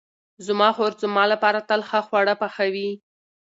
زما خور زما لپاره تل ښه خواړه پخوي.